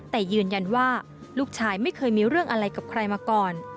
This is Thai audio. แต่ยืนยันว่าลูกชายไม่เคยมีเรื่องอะไรกับใครมาก่อน